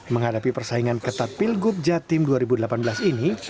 menghadapi persaingan ketat pilgub jatim dua ribu delapan belas ini